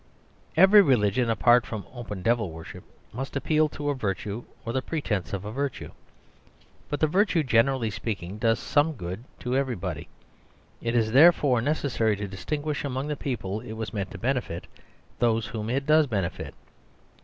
Every religion, apart from open devil worship, must appeal to a virtue or the pretence of a virtue. But a virtue, generally speaking, does some good to everybody. It is therefore necessary to distinguish among the people it was meant to benefit those whom it does benefit.